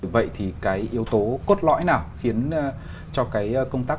vậy thì cái yếu tố cốt lõi nào khiến cho cái công tác